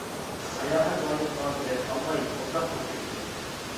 ساياھەت رايونىغا بېلەت ئالماي، مۇنداقمۇ كىرىدىكەن.